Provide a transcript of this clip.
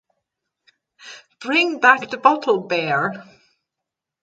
Bring back the bottle, Bear!